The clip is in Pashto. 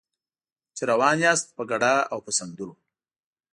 چې روان یاست په ګډا او په سندرو.